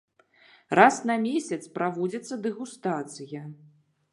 Раз на месяц праводзіцца дэгустацыя.